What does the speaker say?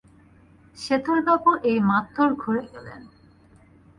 শেতলবাবু এই মাত্তর ঘুরে গেলেন।